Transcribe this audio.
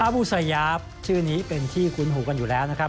บูซายาฟชื่อนี้เป็นที่คุ้นหูกันอยู่แล้วนะครับ